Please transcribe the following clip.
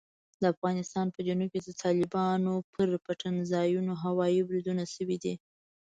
د افغانستان په جنوب کې د طالبانو پر پټنځایونو هوايي بریدونه شوي دي.